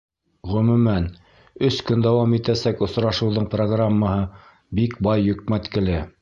Ғөмүмән, өс көн дауам итәсәк осрашыуҙың программаһы бик бай йөкмәткеле.